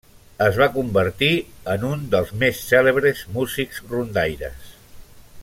Es va convertir en un dels més cèlebres músics rondaires.